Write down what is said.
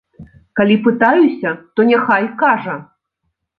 Калі пытаюся, то няхай кажа!